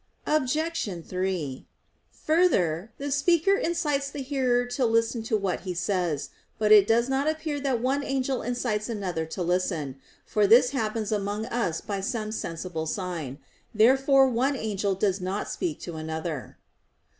Obj. 3: Further, the speaker incites the hearer to listen to what he says. But it does not appear that one angel incites another to listen; for this happens among us by some sensible sign. Therefore one angel does not speak to another.